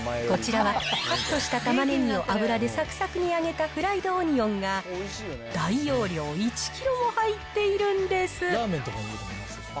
こちらはカットしたタマネギを油でさくさくに揚げたフライドオニオンが、大容量１キロも入っているんです。